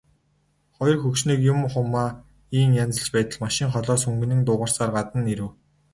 Хоёр хөгшнийг юм хумаа ийн янзалж байтал машин холоос хүнгэнэн дуугарсаар гадна нь ирэв.